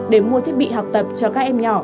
để mua thiết bị học tập cho các em nhỏ